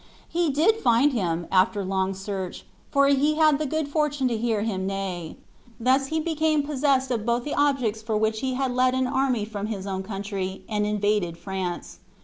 He did find him, after long search, for he had the good fortune to hear him neigh. Thus he became possessed of both the objects for which he had led an army from his own country, and invaded France.